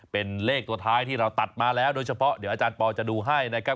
เป็นเลขตัวท้ายที่เราตัดมาแล้วโดยเฉพาะเดี๋ยวอาจารย์ปอลจะดูให้นะครับ